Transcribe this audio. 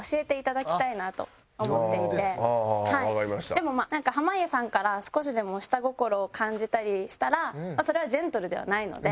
でもまあなんか濱家さんから少しでも下心を感じたりしたらそれはジェントルではないので。